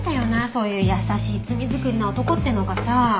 そういう優しい罪作りな男ってのがさ。